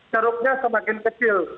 ceruknya semakin kecil